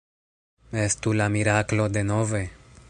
Estu la miraklo denove!